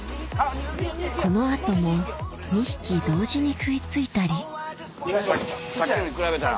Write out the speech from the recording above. この後も２匹同時に食い付いたりさっきのに比べたら。